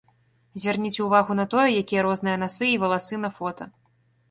Звярніце ўвагу на тое, якія розныя насы і валасы на фота.